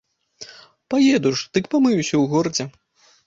Паеду ж, дык памыюся ў горадзе.